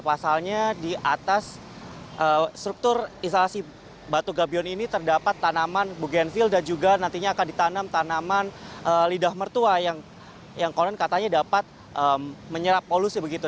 pasalnya di atas struktur instalasi batu gabion ini terdapat tanaman bugenvil dan juga nantinya akan ditanam tanaman lidah mertua yang konon katanya dapat menyerap polusi begitu